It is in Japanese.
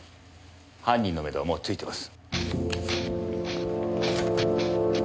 犯人のめどはもうついてます。